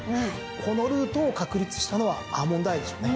このルートを確立したのはアーモンドアイでしょうね。